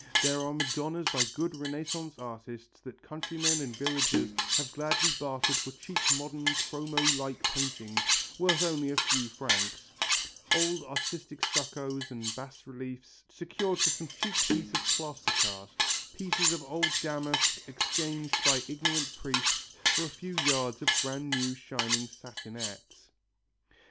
There are Madonnas by good Renaissance artists that countrymen and villagers have gladly bartered for cheap modern chromo like paintings worth only a few francs, old artistic stuccos and bas reliefs secured for some cheap piece of plaster cast, pieces of old damask exchanged by ignorant priests for a few yards of brand new shining satinette.